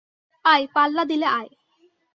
আয়, পাল্লা দিলে আয়।